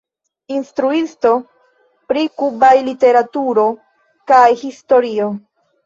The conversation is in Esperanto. Instruisto pri kubaj literaturo kaj historio.